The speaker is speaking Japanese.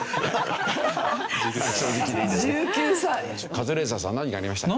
カズレーザーさん何がありましたっけ？